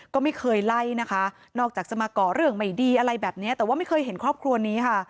ก็ไม่เคยไล่นะคะนอกจากจะมาก่อเรื่องไม่ดีอะไรแบบนี้แต่ว่าไม่เคยเห็นครอบครัวนี้ค่ะ